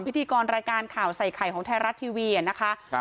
พิธีกรรายการข่าวใส่ไข่ของไทยรัฐทีวีนะคะ